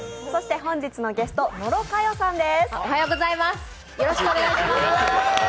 本日のゲスト・野呂佳代さんです。